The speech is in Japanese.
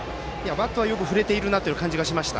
バットはよく振れているなという感じはしました。